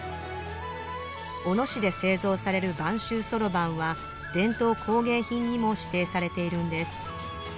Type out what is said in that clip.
小野市で製造される播州そろばんは伝統工芸品にも指定されているんです